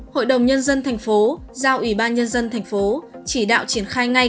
hội đồng nhân dân thành phố giao ủy ban nhân dân thành phố chỉ đạo triển khai ngay